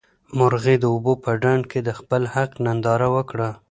مرغۍ د اوبو په ډنډ کې د خپل حق ننداره وکړه.